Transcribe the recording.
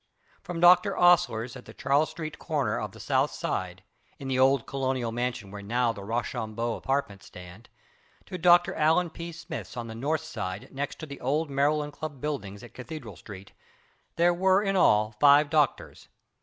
From Dr. Osler's at the Charles street corner of the south side in the old Colonial mansion where now the Rochambeau apartments stand to Dr. Alan P. Smith's on the north side next to the old Maryland Club building at Cathedral street, there were in all five doctors.